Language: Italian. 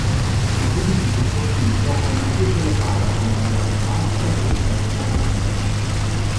L'edificio è costruito con pietre locali, con pareti di calce e il tetto d'ardesia.